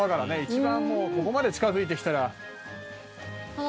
一番もうここまで近付いてきたら。